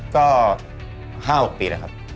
ก็๕๖ปีแล้วครับ